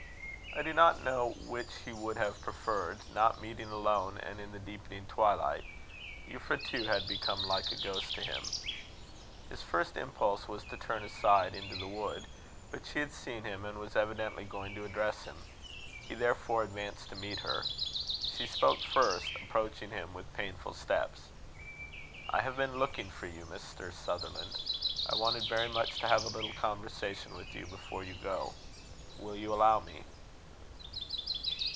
I do not know which he would have preferred not meeting alone, and in the deepening twilight: Euphra, too, had become like a ghost to him. His first impulse was to turn aside into the wood, but she had seen him, and was evidently going to address him. He therefore advanced to meet her. She spoke first, approaching him with painful steps. "I have been looking for you, Mr. Sutherland. I wanted very much to have a little conversation with you before you go. Will you allow me?"